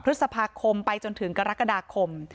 พฤษภาคมไปจนถึงกรกฎาคม